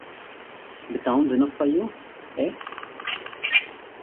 The town's enough for you, eh?